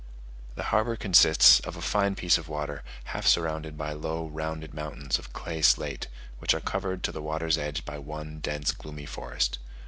The harbour consists of a fine piece of water half surrounded by low rounded mountains of clay slate, which are covered to the water's edge by one dense gloomy forest.